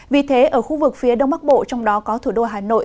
vì thế ở khu vực phía đông bắc bộ trong đó có thủ đô hà nội